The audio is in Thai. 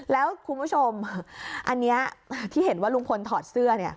แล้วคุณผู้ชมอันนี้ที่เห็นว่าลุงพลถอดเสื้อ